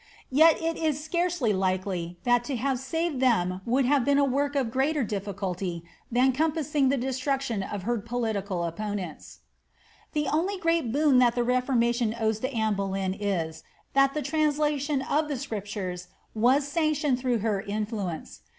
Yet it is scarcely likely, that to have saved iheni would have been a work, of greater di^iculty than compassing the destruction of her political opponents. The only mat boon that the Reformation owes to Anne Boleyn is, tkat the iranMation of the Scriptures was sanctioned through her influ ence.